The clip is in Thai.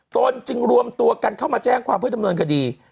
ตนจึงรวมตัวกันเข้ามาแจ้งความเพื่อดำเนินคดี